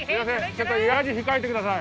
ちょっと野次控えてください